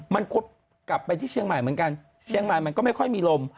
มันกลับไปที่เชียงใหม่เหมือนกันเชียงใหม่มันก็ไม่ค่อยมีลม